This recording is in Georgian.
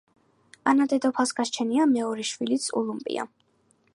ანა დედოფალს გასჩენია მეორე შვილიც ულუმპია.